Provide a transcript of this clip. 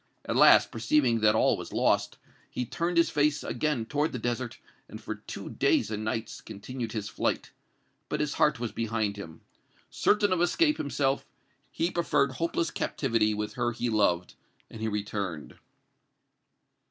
At last, perceiving that all was lost, he turned his face again toward the desert, and, for two days and nights, continued his flight. But his heart was behind him. Certain of escape himself, he preferred hopeless captivity with her he loved, and he returned."